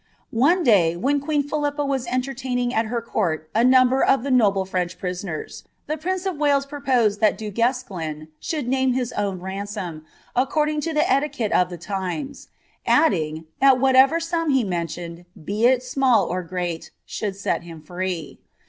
One. day, when queen Philippn was enterlainins ■t her court a number of the noble French prisoners, the prince of Wales proposed that Du Gueecliii should aame his own ransom, accord ing lo the eliqiieltc of the limes, adding, that whatever sum he men lionedf txi it small or great, should set him free.